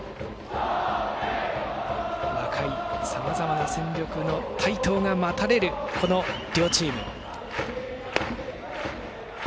若いさまざまな戦力の台頭が待たれる、この両チーム。